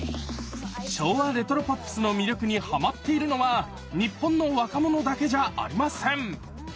昭和レトロポップスの魅力にハマっているのは日本の若者だけじゃありません。